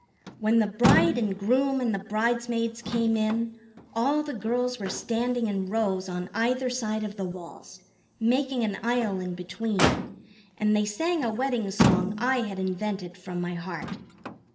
When the bride and groom and the bridesmaids came in, all the girls were standing in rows on either side of the walk, making an aisle in between, and they sang a wedding song I had invented from my heart.